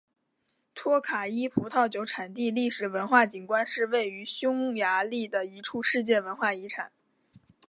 托卡伊葡萄酒产地历史文化景观是位于匈牙利的一处世界文化遗产。